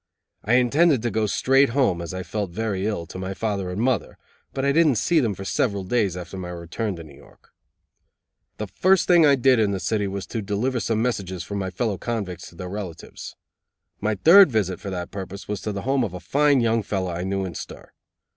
I intended to go straight home, as I felt very ill, to my father and mother, but I didn't see them for several days after my return to New York. The first thing I did in the city was to deliver some messages from my fellow convicts to their relatives. My third visit for that purpose was to the home of a fine young fellow I knew in stir.